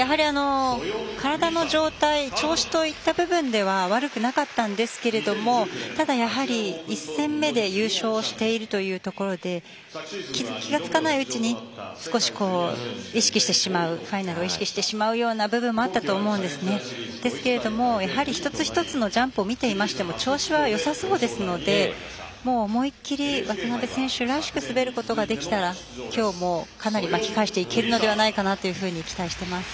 体の状態調子といった部分では悪くなかったんですけどもやはり１戦目で優勝しているというところで気が付かないうちに少しファイナルを意識してしまう部分もあったと思うんですが一つ一つのジャンプを見ていましても調子はよさそうですので、もう思い切り渡辺選手らしく滑ることができたら今日も、かなり巻き返していけるのではないかなというふうに期待しています。